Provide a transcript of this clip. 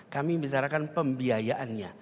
kami membicarakan pembiayaannya